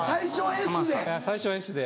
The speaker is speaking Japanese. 最初はＳで。